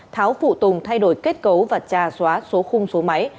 tháo phụ tùng thay đổi kết cấu và trà xóa số khung số máy